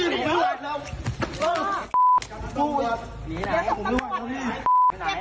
นั่งกล้ามกุ่นไหน